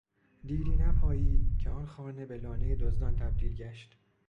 دیری نپایید که آن خانه به لانه دزدان تبدیل گشت.